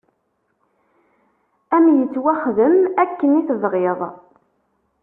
Ad m-ittwaxdem akken i tebɣiḍ!